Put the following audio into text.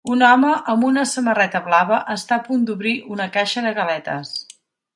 Un home amb una samarreta blava està a punt d'obrir una caixa de galetes.